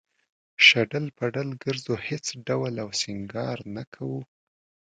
شډل بډل گرځو هېڅ ډول او سينگار نۀ کوو